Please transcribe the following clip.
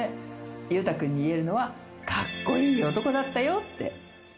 裕太君に言えるのは、かっこいい男だったよって。